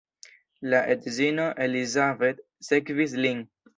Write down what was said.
La edzino Elizabeth sekvis lin.